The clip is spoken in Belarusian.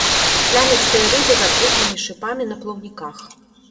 Плямістыя рыбы з атрутнымі шыпамі на плаўніках.